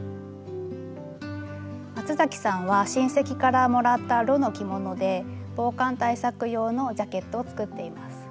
松嵜さんは親戚からもらった絽の着物で防寒対策用のジャケットを作っています。